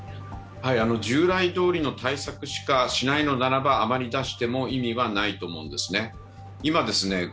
従来どおりの対策しかしないのならばあまり出しても意味はないと思うんですね。